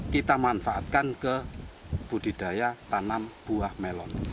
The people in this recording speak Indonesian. kita manfaatkan ke budidaya tanam buah melon